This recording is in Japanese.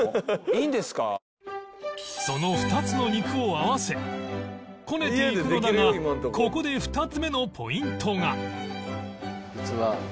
その２つの肉を合わせこねていくのだがここで２つ目のポイントが